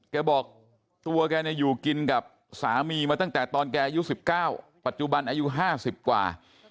แกบอกตัวแกอยู่กินกับสามีมาตั้งแต่ตอนแกอายุ๑๙ปัจจุบันอายุ๕๐กว่า